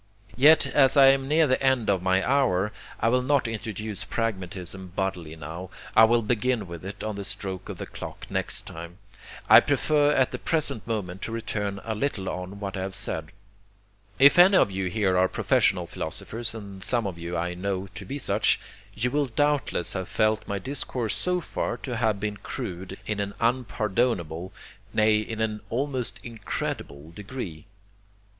Yet, as I am near the end of my hour, I will not introduce pragmatism bodily now. I will begin with it on the stroke of the clock next time. I prefer at the present moment to return a little on what I have said. If any of you here are professional philosophers, and some of you I know to be such, you will doubtless have felt my discourse so far to have been crude in an unpardonable, nay, in an almost incredible degree.